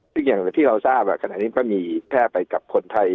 ซึ่งอย่างที่เราทราบขณะนี้ก็มีแพร่ไปกับคนไทย